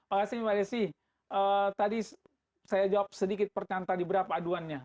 pak rasilo tadi saya jawab sedikit pertanyaan tadi berapa aduannya